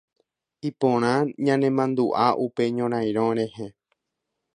Iporã ñanemandu'a upe ñorairõ rehe.